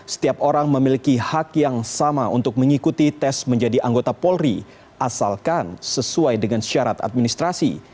setiap orang memiliki hak yang sama untuk mengikuti tes menjadi anggota polri asalkan sesuai dengan syarat administrasi